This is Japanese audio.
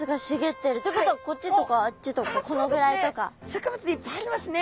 植物いっぱいありますね！